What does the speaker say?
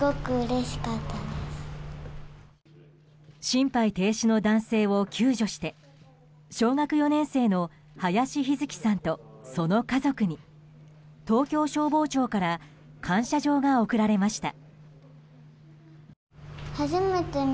心肺停止の男性を救助して小学４年生の林陽月さんとその家族に東京消防庁から感謝状が贈られました。